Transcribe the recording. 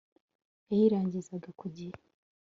yayirangirizaga ku gihe